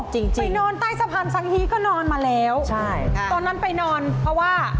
จริงจริงไปนอนใต้สะพานสังฮีก็นอนมาแล้วใช่ค่ะตอนนั้นไปนอนเพราะว่า